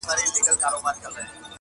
راسه له ساحله د نهنګ خبري نه کوو؛